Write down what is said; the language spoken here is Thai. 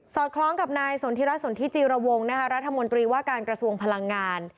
คล้องกับนายสนทิรัฐสนทิจิรวงรัฐมนตรีว่าการกระทรวงพลังงาน